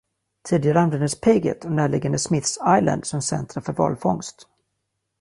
Tidigare användes Paget och närliggande Smith's Island som centra för valfångst.